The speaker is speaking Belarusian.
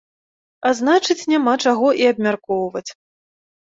А значыць, няма чаго і абмяркоўваць.